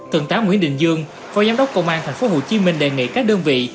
thượng tá nguyễn đình dương phó giám đốc công an thành phố hồ chí minh đề nghị các đơn vị